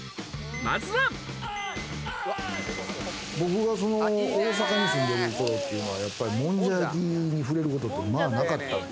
まずは僕が大阪に住んでる頃っていうのは、もんじゃ焼きに触れることってなかったんで。